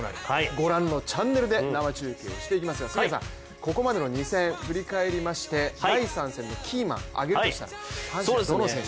御覧のチャンネルで生中継していきますがここまでの２戦、振り返りまして、第３戦のキーマン、挙げるとしたら、阪神のどの選手？